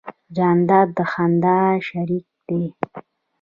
جانداد د خندا شریک دی.